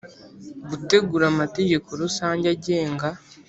Gutegura amategeko rusange agenga